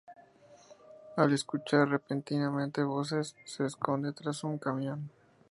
Al escuchar repentinamente voces, se esconde tras un camión.